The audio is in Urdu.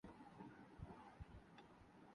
سٹروک کی چھٹنی کی ترتیب